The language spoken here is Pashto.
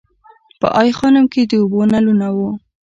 په ای خانم کې د اوبو نلونه وو